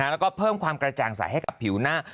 แล้วก็เพิ่มความกระจ่างใสให้กับผิวหน้า